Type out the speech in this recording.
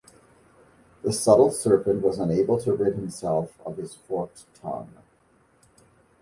The subtle serpent was unable to rid himself of his forked tongue.